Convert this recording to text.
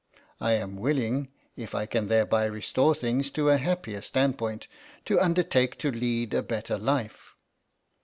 I am willing, if I can thereby restore things to a happier standpoint, to undertake to lead a better life."